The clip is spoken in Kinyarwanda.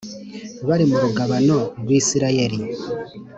Bari mu rugabano rw`Isirayeli